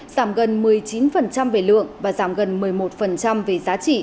giảm gần một mươi chín về lượng và giảm gần một mươi một về giá trị